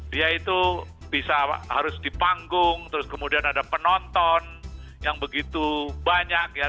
dia itu bisa harus di panggung terus kemudian ada penonton yang begitu banyak ya